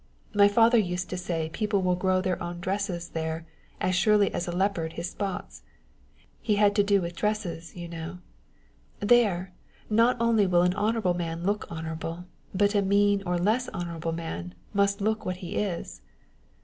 My father used to say people will grow their own dresses there, as surely as a leopard his spots. He had to do with dresses, you know. There, not only will an honorable man look honorable, but a mean or less honorable man must look what he is."